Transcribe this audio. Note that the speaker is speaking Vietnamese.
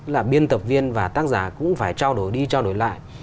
là biên tập viên và tác giả cũng phải trao đổi đi trao đổi lại